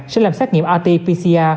sẽ làm xét nghiệm rt pcr